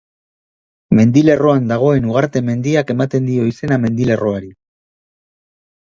Mendilerroan dagoen Ugarte mendiak ematen dio izena mendilerroari.